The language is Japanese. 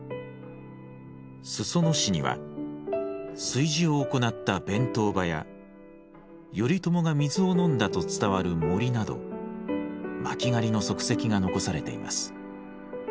裾野市には炊事を行った弁当場や頼朝が水を飲んだと伝わる森など巻狩りの足跡が残されています。